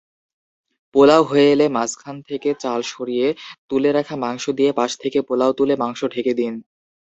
পোলাও হয়ে এলে মাঝখান থেকে চাল সরিয়ে তুলে রাখা মাংস দিয়ে পাশ থেকে পোলাও তুলে মাংস ঢেকে দিন।